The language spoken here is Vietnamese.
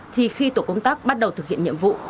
thì khi tổ công tác bắt đầu thực hiện nhiệm vụ